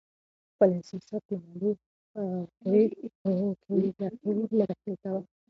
خپل احساسات په مالي پرېکړو کې مه دخیل کوه.